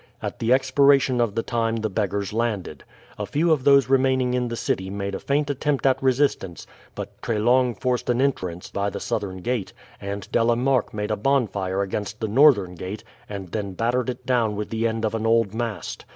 At the expiration of the time the beggars landed. A few of those remaining in the city made a faint attempt at resistance; but Treslong forced an entrance by the southern gate, and De la Marck made a bonfire against the northern gate and then battered it down with the end of an old mast.